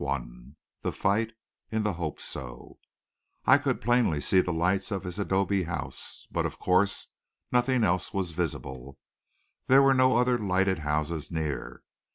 Chapter 11 THE FIGHT IN THE HOPE SO I could plainly see the lights of his adobe house, but of course, nothing else was visible. There were no other lighted houses near.